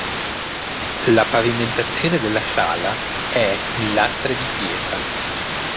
La pavimentazione della sala è in lastre di pietra.